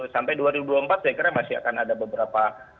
sampai dua ribu dua puluh empat saya kira masih akan ada beberapa